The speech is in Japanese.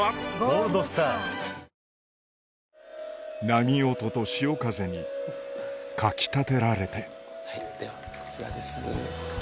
波音と潮風にかき立てられてではこちらです。